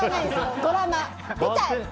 ドラマ出たい！